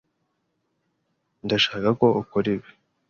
Ndashaka ko ukora ibi.